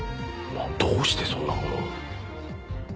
どうしてそんなものを？